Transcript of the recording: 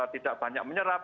tidak banyak menyerap